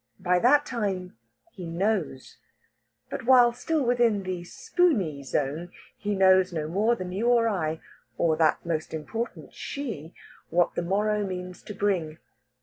By that time he knows. But, while still within the "spooney" zone he knows no more than you or I (or that most important she) what the morrow means to bring.